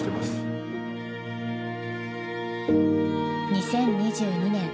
２０２２年。